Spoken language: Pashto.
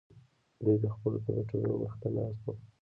دوی د خپلو کمپیوټرونو مخې ته ناست وو